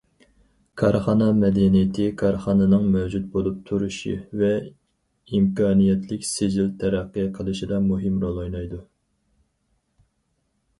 كارخانا مەدەنىيىتى كارخانىنىڭ مەۋجۇت بولۇپ تۇرۇشى ۋە ئىمكانىيەتلىك سىجىل تەرەققىي قىلىشىدا مۇھىم رول ئوينايدۇ.